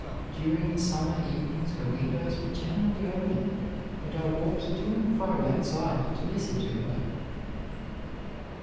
During the summer evenings her windows were generally open, and I walked to and fro outside to listen to her.'